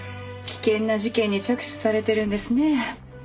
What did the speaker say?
危険な事件に着手されてるんですね。